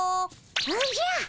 おじゃ！